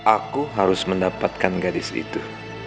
aku harus mendapatkan gadis itu